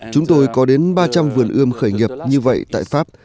chúng tôi có đến ba trăm linh vườn ươm khởi nghiệp như vậy tại pháp